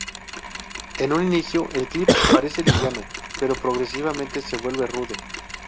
En un inicio el clip parece liviano pero progresivamente se vuelve rudo.